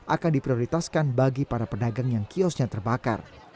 akan diprioritaskan bagi para pedagang yang kiosnya terbakar